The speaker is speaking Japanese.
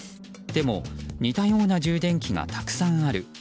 でも、似たような充電器がたくさんある。